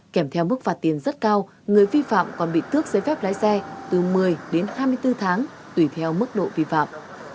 kèm theo mức phạt tiền rất cao người vi phạm còn bị tước giấy phép lái xe từ một mươi đến hai mươi bốn tháng tùy theo mức độ vi phạm